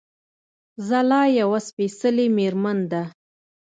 ځلا يوه سپېڅلې مېرمن ده